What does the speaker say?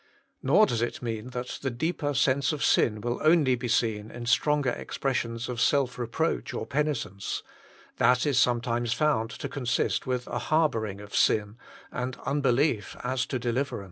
Nor does it mean that that deeper sense of sin will only be seen in stronger expressions of self reproach or penitence : that is sometimes found to consist with a harbouring of sin, and unbelief as to deliverance.